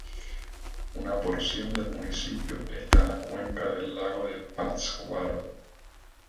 Una porción del municipio está en la cuenca del lago de Pátzcuaro.